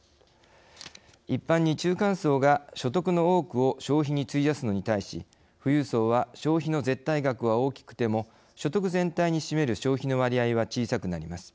一般に中間層が所得の多くを消費に費やすのに対し富裕層は消費の絶対額は大きくても所得全体に占める消費の割合は小さくなります。